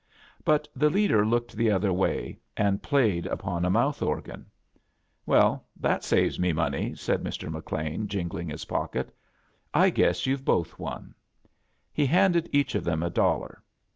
Btit the leader looked the other way aod i^yed upon a mouth oi^an. "Well, that saves me money," said Mr. I^Lean, jinslins his pocket. "I guess you've both won." He handed each of them a dollar.